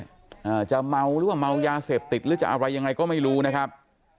อ่าจะเมาหรือว่าเมายาเสพติดหรือจะอะไรยังไงก็ไม่รู้นะครับ